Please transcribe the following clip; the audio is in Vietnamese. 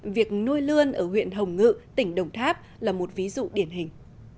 việc nuôi lươn ở huyện hồng ngự tỉnh đồng tháp là một ví dụ điển hình